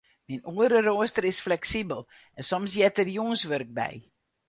Myn oereroaster is fleksibel en soms heart der jûnswurk by.